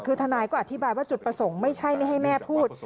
คือทนายก็อธิบายว่าจุดประสงค์ไม่ใช่ไม่ให้แม่พูด